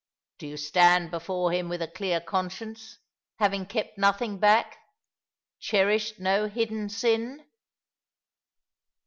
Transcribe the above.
Do you stand before Him with a clear conscience — haying kept nothing back — cherished no hidden sin